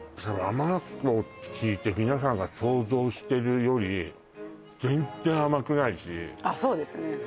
甘納豆って聞いて皆さんが想像してるより全然甘くないしあっそうですね